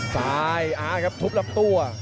ซ้ายอาครับทุบลำตัว